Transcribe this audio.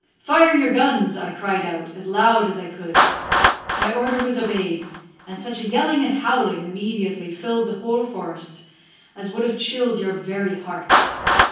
'Fire your guns!' I cried out, as loud as I could. My order was obeyed, and such a yelling and howling immediately filled the whole forest as would have chilled your very heart.